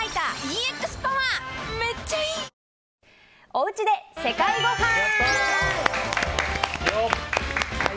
おうちで世界ごはん。